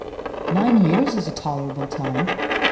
"Nine years is a tolerable time.